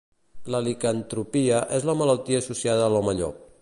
La licantropia és la malaltia associada a l'home llop.